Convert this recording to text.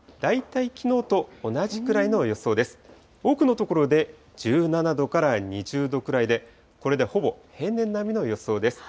多くの所で１７度から２０度くらいで、これでほぼ平年並みの予想です。